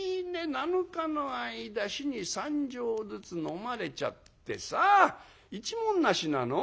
７日の間日に３升ずつ飲まれちゃってさ一文無しなの？